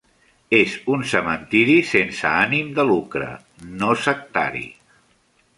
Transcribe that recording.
És un cementiri sense ànim de lucre, no sectari.